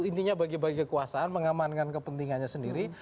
intinya bagi bagi kekuasaan mengamankan kepentingannya sendiri